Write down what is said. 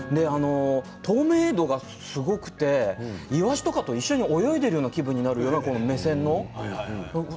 透明度が、すごくていわしとかと一緒に泳いでいるような気分になる目線の。